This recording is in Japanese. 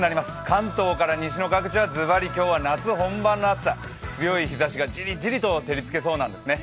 関東から西の各地はズバリ今日は夏本番の暑さ、強い日ざしがジリジリと照りつけそうなんですね。